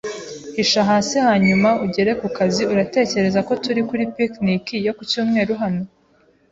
Hisha hasi hanyuma ugere ku kazi Uratekereza ko turi kuri picnic yo ku cyumweru hano?